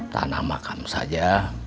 tanah makam saja